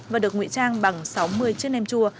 và được ngụy trang bằng sáu mươi chiếc nêm chua